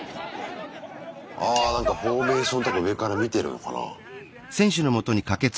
あなんかフォーメーションとか上から見てるのかな？